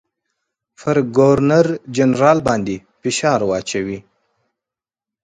پر ګورنرجنرال باندي فشار واچوي.